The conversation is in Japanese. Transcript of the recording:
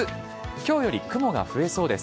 今日より雲が増えそうです。